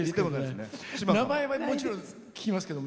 名前はもちろん聞きますけど。